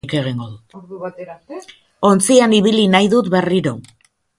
Ontzian ibili nahi dut berriro.